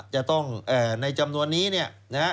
จะต้องในจำนวนนี้เนี่ยนะฮะ